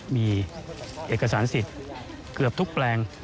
มีเอกสารสิทธิ์เกือบทุกแปลง